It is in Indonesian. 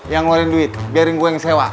yang ngeluarin duit biarin gue yang sewa